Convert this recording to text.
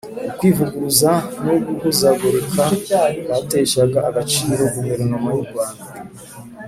ukwivuguruza n'uguhuzagurika kwateshaga agaciro guverinoma yu rwanda.